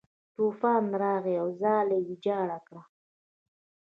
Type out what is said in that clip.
طوفان راغی او ځاله یې ویجاړه کړه.